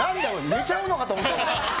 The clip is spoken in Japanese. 寝ちゃうのかと思ったよ。